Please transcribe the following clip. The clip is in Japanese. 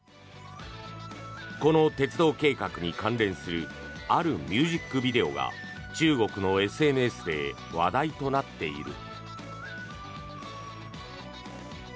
この鉄道計画に関連するあるミュージックビデオが中国のＳＮＳで話題となっている。